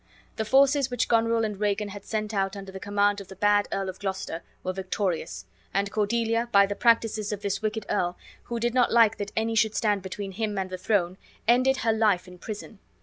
The forces which Goneril and Regan had sent out under the command of the bad Earl of Gloucester were victorious, and Cordelia, by the practices of this wicked earl, who did not like that any should stand between him and the throne, ended her life in prison.